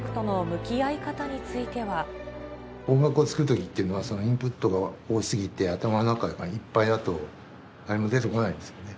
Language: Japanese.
音楽を作るときって、インプットが多すぎて、頭の中がいっぱいだと何も出てこないんですよね。